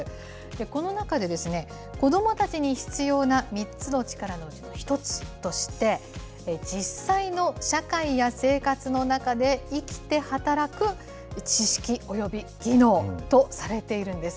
この中で、子どもたちに必要な３つの力のうちの１つとして、実際の社会や生活の中で生きて働く知識および技能とされているんです。